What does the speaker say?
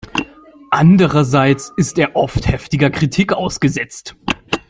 Andererseits ist er oft heftiger Kritik ausgesetzt.